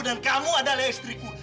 dan kamu adalah istriku